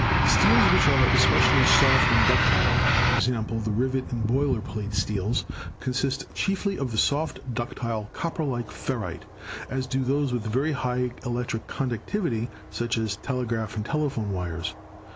The steels which are especially soft and ductile — e.g., the rivet and boiler plate steels — consist chiefly of the soft, ductile, copper like ferrite, as do those with very high electric conductivity, such as telegraph and telephone wires.